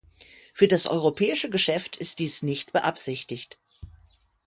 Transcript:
Für das europäische Geschäft ist dies nicht beabsichtigt.